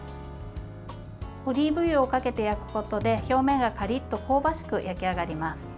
オリーブ油をかけて焼くことで表面がカリッと香ばしく焼き上がります。